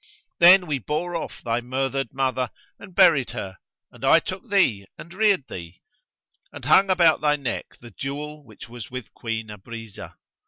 Then we bore off thy murthered mother and buried her; and I took thee and reared thee, and hung about thy neck the jewel which was with Queen Abrizah.